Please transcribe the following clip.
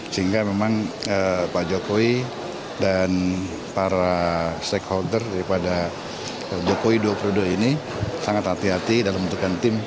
sehingga memang pak jokowi dan para stakeholder daripada jokowi dua periode ini sangat hati hati dalam menentukan tim